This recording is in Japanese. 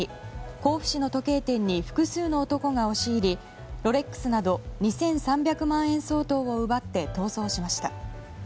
甲府市の時計店に複数の男が押し入りロレックスなど２３００万円相当を奪って逃走しました。